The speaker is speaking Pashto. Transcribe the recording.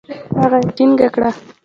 هغه يې ټينګه کړه.